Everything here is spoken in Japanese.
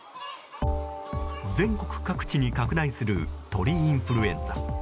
全国各地に拡大する鳥インフルエンザ。